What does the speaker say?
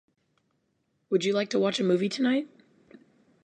Would you like to watch a movie tonight?